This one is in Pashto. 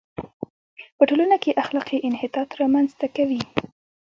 په ټولنه کې اخلاقي انحطاط را منځ ته کوي.